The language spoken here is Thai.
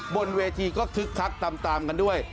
บนเวทีก็คึกคักตามกันด้วย